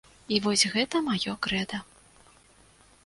І вось гэта маё крэда.